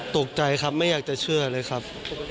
ตกใจครับไม่อยากจะเชื่อเลยครับ